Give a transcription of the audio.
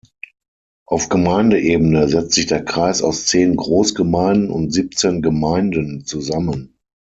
Auf Gemeindeebene setzt sich der Kreis aus zehn Großgemeinden und siebzehn Gemeinden zusammen.